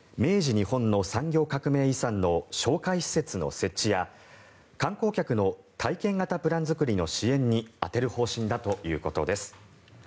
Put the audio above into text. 日本の産業革命遺産の紹介施設の設置や観光客の体験型プラン作りの支援に充てる方針だということです。